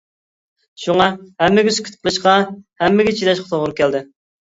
شۇڭا ھەممىگە سۈكۈت قىلىشقا، ھەممىگە چىداشقا توغرا كەلدى.